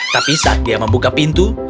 tapi saat dia membuka pintu